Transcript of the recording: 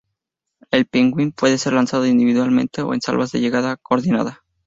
El Penguin puede ser lanzado individualmente o en salvas de llegada coordinada.